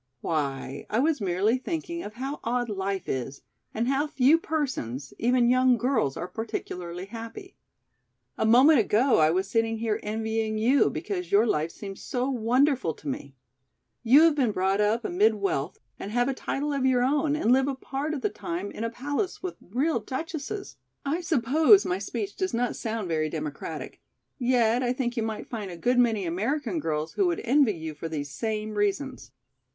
"Why, I was merely thinking of how odd life is and how few persons, even young girls are particularly happy. A moment ago I was sitting here envying you because your life seemed so wonderful to me. You have been brought up amid wealth and have a title of your own and live a part of the time in a palace with real duchesses. I suppose my speech does not sound very democratic, yet I think you might find a good many American girls who would envy you for these same reasons."